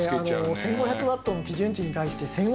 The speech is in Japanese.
１５００ワットの基準値に対して１０００